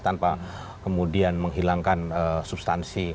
tanpa kemudian menghilangkan substansi